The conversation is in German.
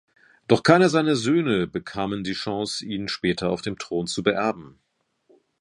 Doch keiner seiner Söhne bekamen die Chance ihn später auf dem Thron zu beerben.